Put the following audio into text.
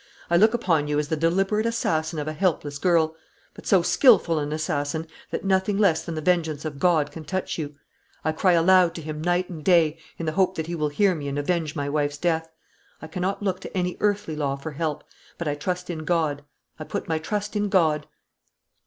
I look upon you as the deliberate assassin of a helpless girl; but so skilful an assassin, that nothing less than the vengeance of God can touch you. I cry aloud to Him night and day, in the hope that He will hear me and avenge my wife's death. I cannot look to any earthly law for help: but I trust in God; I put my trust in God."